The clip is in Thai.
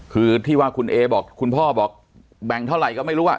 คือที่ว่าคุณเอบอกคุณพ่อบอกแบ่งเท่าไหร่ก็ไม่รู้อ่ะ